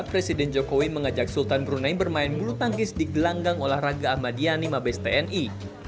presiden jokowi mengajak sultan brunei bermain bulu tangkis di gelanggang olahraga ahmadiyani mabes tni